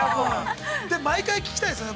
毎回聞きたいですね。